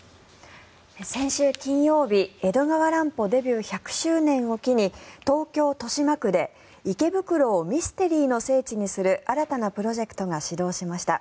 先週金曜日、江戸川乱歩デビュー１００周年を機に東京・豊島区で池袋をミステリーの聖地にする新たなプロジェクトが始動しました。